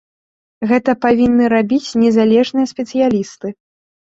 Гэта павінны рабіць незалежныя спецыялісты.